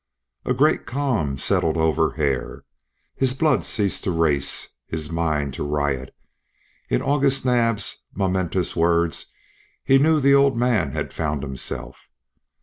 A great calm settled over Hare; his blood ceased to race, his mind to riot; in August Naab's momentous word he knew the old man had found himself.